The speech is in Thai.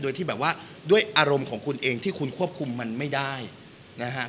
โดยที่แบบว่าด้วยอารมณ์ของคุณเองที่คุณควบคุมมันไม่ได้นะฮะ